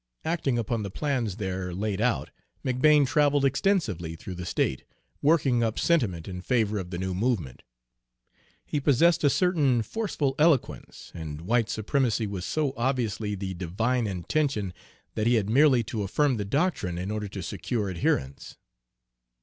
Acting upon the plans there laid out, McBane traveled extensively through the state, working up sentiment in favor of the new movement. He possessed a certain forceful eloquence; and white supremacy was so obviously the divine intention that he had merely to affirm the doctrine in order to secure adherents.